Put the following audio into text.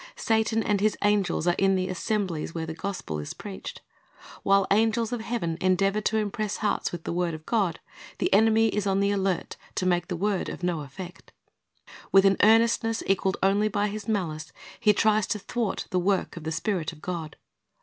Satan and his angels are in the assemblies where the gospel is preached. While angels of heaven endeavor to impress hearts with the word of God, the enemy is on the alert to make the word of no effect. With an earnestness equalled only by his malice, he tries to thwart the work of the Spirit of God.